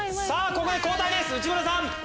ここで交代です内村さん。